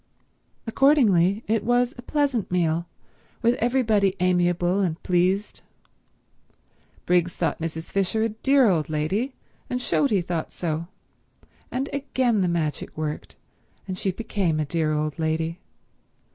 Accordingly it was a pleasant meal, with everybody amiable and pleased. Briggs thought Mrs. Fisher a dear old lady, and showed he thought so; and again the magic worked, and she became a dear old lady.